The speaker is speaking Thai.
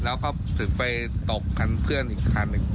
แล้วก็ถึงไปตกคันเพื่อนอีกคันหนึ่ง